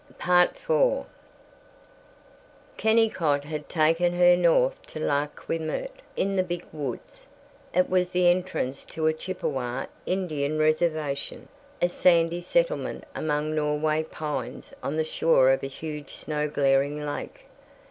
IV Kennicott had taken her north to Lac qui Meurt, in the Big Woods. It was the entrance to a Chippewa Indian reservation, a sandy settlement among Norway pines on the shore of a huge snow glaring lake.